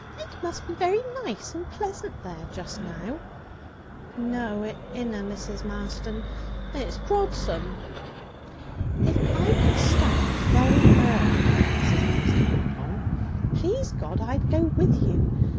'It must be very nice and pleasant there just now.' 'No, it inna, Mrs. Marston. It's drodsome.' 'If I could start very early,' Mrs. Marston went on, 'please God I'd go with you.